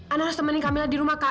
ana harus temani kamila di rumah kak